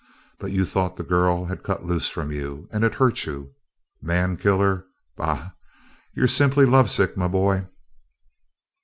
But you thought the girl had cut loose from you, and it hurt you. Man killer? Bah! You're simply lovesick, my boy!"